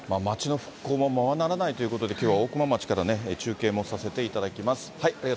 町の復興もままならないということで、きょうは大熊町から中継もさせていただきます。